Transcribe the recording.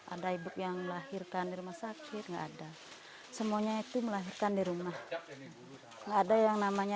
ada ibu yang melahirkan di rumah sakit nggak ada semuanya itu melahirkan di rumah ada yang namanya